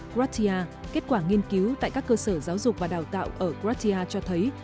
gratia kết quả nghiên cứu tại các cơ sở giáo dục và đào tạo ở gratia cho thấy